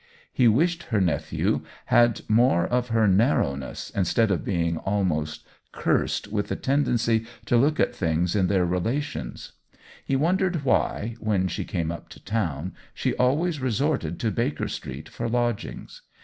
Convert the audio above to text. He wished her nephew had more of her OWEN WINGRAVE 165 narrowness instead of being almost cursed with the tendency to look at things in their relations. He wondered why, when she came up to town, she always resorted to Baker Street for lodgings.